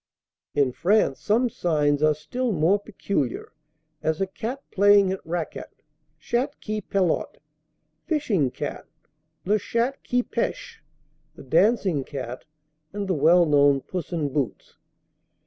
In France some signs are still more peculiar, as a "Cat Playing at Raquet" (Chatte qui pelote), "Fishing Cat" (La Chatte qui pêche), "The Dancing Cat," and the well known "Puss in Boots."